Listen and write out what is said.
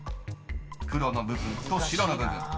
［黒の部分と白の部分］